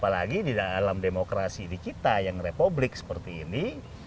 apalagi di dalam demokrasi di kita yang republik seperti ini